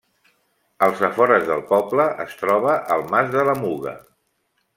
Als afores del poble es troba el Mas de la Muga.